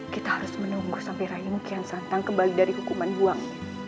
kita harus menunggu sampai rahim kian santang kembali dari hukuman buang